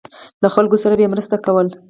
له خلکو سره به یې مرسته کوله.